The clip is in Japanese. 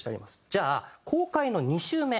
じゃあ公開の２週目。